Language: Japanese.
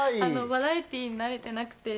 バラエティーに慣れてなくて。